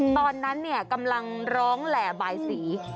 ตอนนั้นกำลังร้องแหล่บายสี